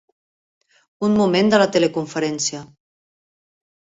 Un moment de la teleconferència.